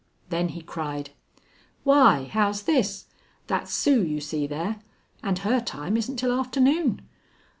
Then he cried: "Why, how's this? That's Sue you see there, and her time isn't till arternoon.